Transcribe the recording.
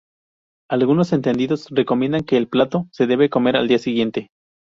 Algunos entendidos recomiendan que el plato se debe comer al día siguiente.